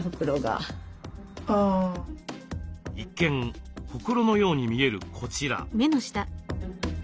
一見ほくろのように見えるこちら。